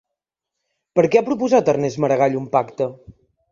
Per què ha proposat Ernest Maragall un pacte?